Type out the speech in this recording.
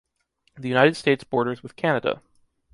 The United States borders with Canada.